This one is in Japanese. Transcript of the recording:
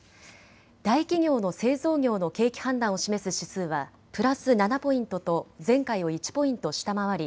大企業の製造業の景気判断を示す指数はプラス７ポイントと前回を１ポイント下回り